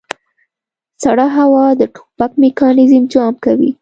سړه هوا د ټوپک میکانیزم جام کوي